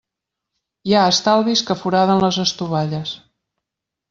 Hi ha estalvis que foraden les estovalles.